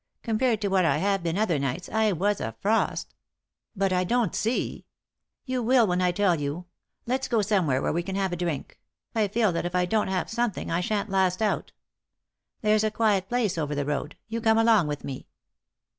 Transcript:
Compared to what I have been other nights I was a frost" " But I don't see " "You will when I tell you. Let's go somewhere where we can have a drink ; I feel that if I don't have something I shan't last out. There's a quiet place over the road— you come along with me."